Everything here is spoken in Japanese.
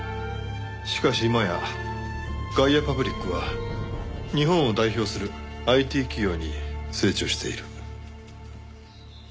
しかし今やガイアパブリックは日本を代表するＩＴ企業に成長している。